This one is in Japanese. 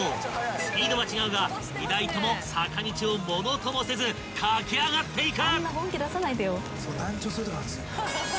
［スピードは違うが２台とも坂道を物ともせず駆け上がっていく］